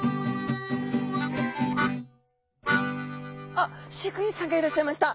あっ飼育員さんがいらっしゃいました。